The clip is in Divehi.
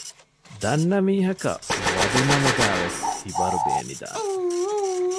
ދަންނަ މީހަކަށް ވަދު ނަނުގައިވެސް ހިބަރު ބޭނިދާނެ